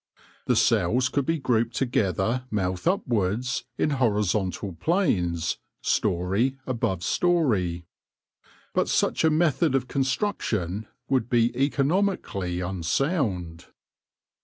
The cells could be grouped together mouth upwards in hori zontal planes, storey above storey ; but such a method of construction would be economically un sound.